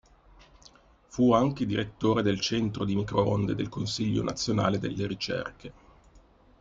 Fu anche direttore del Centro di Microonde del Consiglio Nazionale delle Ricerche.